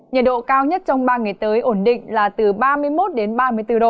nhiệt độ cao nhất trong ba ngày tới ổn định là từ ba mươi một ba mươi bốn độ